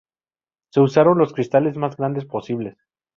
Se usaron los cristales más grandes posibles.